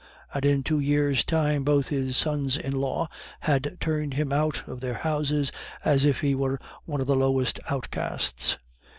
And in two years' time both his sons in law had turned him out of their houses as if he were one of the lowest outcasts."